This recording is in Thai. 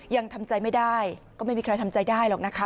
ยังทำใจไม่ได้ก็ไม่มีใครทำใจได้หรอกนะคะ